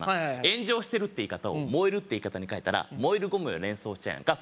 「炎上してる」って言い方を「燃える」って言い方にかえたら燃えるゴミを連想しちゃうやんか